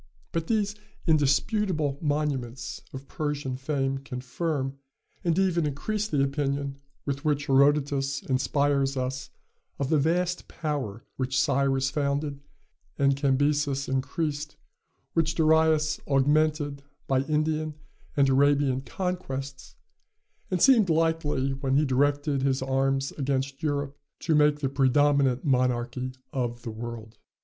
But these indisputable monuments of Persian fame confirm, and even increase the opinion with which Herodotus inspires us of the vast power which Cyrus founded and Cambyses increased; which Darius augmented by Indian and Arabian conquests, and seemed likely, when he directed his arms against Europe, to make the predominant monarchy of the world.